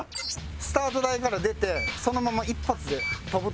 スタート台から出てそのまま一発で飛ぶという。